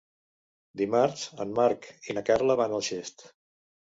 Dimarts en Marc i na Carla van a Xest.